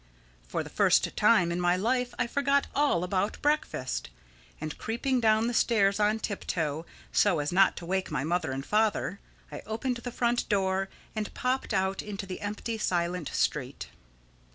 For the first time in my life I forgot all about breakfast; and creeping down the stairs on tip toe, so as not to wake my mother and father, I opened the front door and popped out into the empty, silent street.